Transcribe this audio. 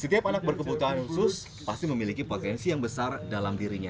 setiap anak berkebutuhan khusus pasti memiliki potensi yang besar dalam dirinya